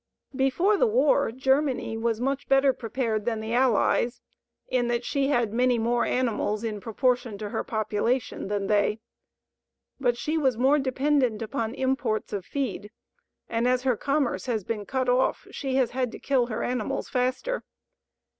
Before the war Germany was much better prepared than the Allies in that she had many more animals in proportion to her population than they. But she was more dependent upon imports of feed, and as her commerce has been cut off, she has had to kill her animals faster.